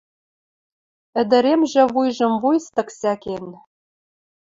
Ӹдӹремжӹ вуйжым вуйстык сӓкен